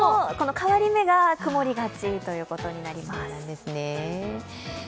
変わり目が曇りがちということになります。